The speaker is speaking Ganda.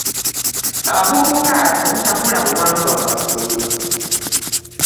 Abavubuka temutabula buwangwa bwaffe.